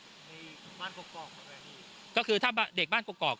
ได้เองก็คือถ้าเด็กบ้านปกปก